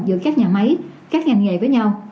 giữa các nhà máy các ngành nghề với nhau